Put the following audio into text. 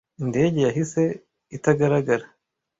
Indege yahise itagaragara.